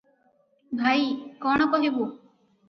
ଭାଇ, କଣ କହିବୁଁ!